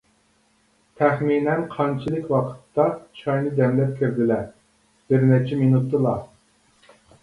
-تەخمىنەن قانچىلىك ۋاقىتتا چاينى دەملەپ كىردىلە؟ -بىر نەچچە مىنۇتتىلا.